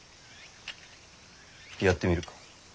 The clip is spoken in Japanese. やってみるか。